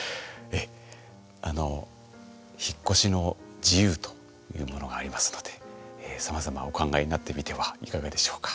あの引っ越しの自由というものがありますのでさまざまお考えになってみてはいかがでしょうか。